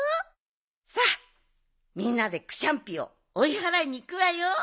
さあみんなでクシャンピーをおいはらいにいくわよ！